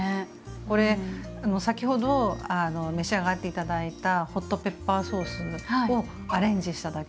これ先ほど召し上がって頂いたホットペッパーソースをアレンジしただけなんです。